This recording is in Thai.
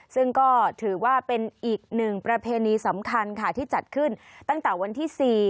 ซึ่งก็ถือว่าเป็นอีกหนึ่งประเพณีสำคัญค่ะที่จัดขึ้นตั้งแต่วันที่๔